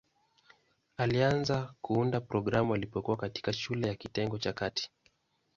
Alianza kuunda programu alipokuwa katikati shule ya kitengo cha kati.